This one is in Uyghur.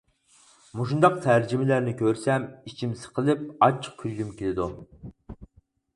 مۇشۇنداق تەرجىمىلەرنى كۆرسەم ئىچىم سىقىلىپ ئاچچىق كۈلگۈم كېلىدۇ.